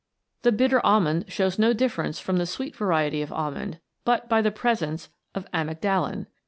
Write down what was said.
The bitter almond shows no difference from the sweet variety of almond, but by the presence of amygdalin.